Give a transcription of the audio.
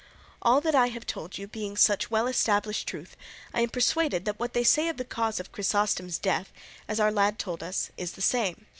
All that I have told you being such well established truth, I am persuaded that what they say of the cause of Chrysostom's death, as our lad told us, is the same.